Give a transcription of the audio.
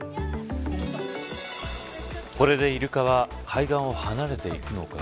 これでイルカは海岸を離れていくのか